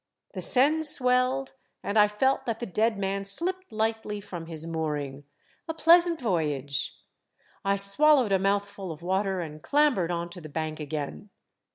The Seine swelled, and I felt that the dead man slipped lightly from his mooring. A pleasant voyage ! I swallowed a mouthful of water and clambered on to the bank again.